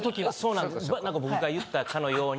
なんか僕が言ったかのように。